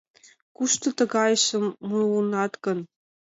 Кушто тыгайжым муыныт гын?